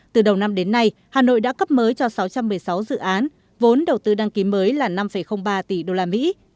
từ đầu năm đến nay hà nội đã cấp mới cho sáu trăm một mươi sáu dự án vốn đầu tư đăng ký mới là năm ba tỷ usd